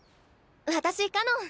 私かのん。